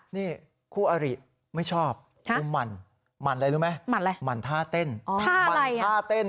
นี่คู่อาริไม่ชอบอุ้มหมั่นหมั่นอะไรรู้ไหมหมั่นไท่เต้น